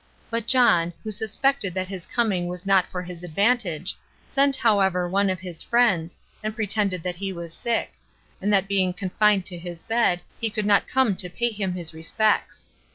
But John, who suspected that his coming was not for his advantage, sent however one of his friends, and pretended that he was sick, and that being confined to his bed, he could not come to pay him his respects.